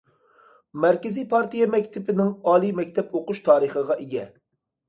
مەركىزىي پارتىيە مەكتىپىنىڭ ئالىي مەكتەپ ئوقۇش تارىخىغا ئىگە.